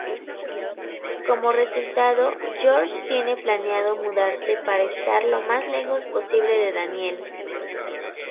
Como resultado, George tiene planeado mudarse para estar lo más lejos posible de Daniel.